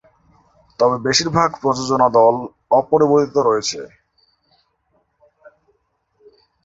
তবে বেশিরভাগ প্রযোজনা দল অপরিবর্তিত রয়েছে।